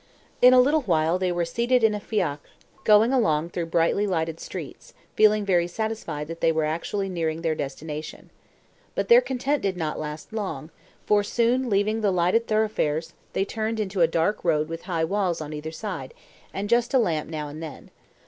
In a little while they were seated in a fiacre, going along through brightly lighted streets, feeling very satisfied that they were actually nearing their destination. But their content did not last long, for soon leaving the lighted thoroughfares, they turned into a dark road with high walls on either side, and just a lamp now and then.